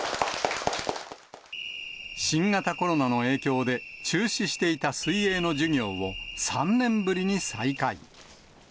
新型コロナの影響で中止していた水泳の授業を、３年ぶりに再開。